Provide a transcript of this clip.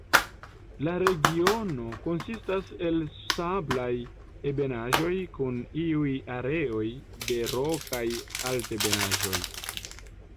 La regiono konsistas el sablaj ebenaĵoj kun iuj areoj de rokaj altebenaĵoj.